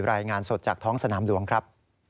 รายงานสดจากท้องสนามหลวงครับ